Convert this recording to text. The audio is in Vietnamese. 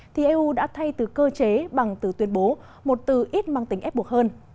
thì eu đã thay từ cơ chế bằng từ tuyên bố một từ ít mang tính ép buộc hơn